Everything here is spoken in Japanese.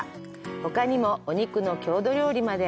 ほかにも、お肉の郷土料理まで。